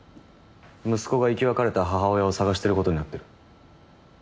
息子が生き別れた母親を捜してる事になってる。